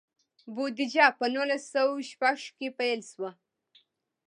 بودیجه په نولس سوه شپږ کې پیل شوه.